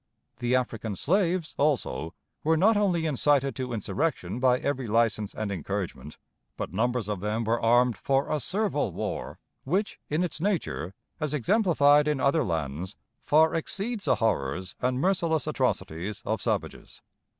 The African slaves, also, were not only incited to insurrection by every license and encouragement, but numbers of them were armed for a servile war, which in its nature, as exemplified in other lands, far exceeds the horrors and merciless atrocities of savages.